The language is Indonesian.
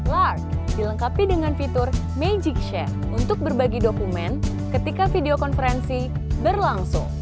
lark dilengkapi dengan fitur magic share untuk berbagi dokumen ketika video konferensi berlangsung